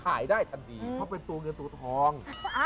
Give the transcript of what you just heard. ขายได้ทันทีเพราะเป็นตัวเงินตัวทอง